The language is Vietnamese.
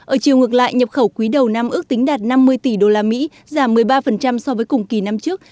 ở chiều ngược lại nhập khẩu quý đầu năm ước tính đạt năm mươi tỷ usd giảm một mươi ba so với cùng kỳ năm trước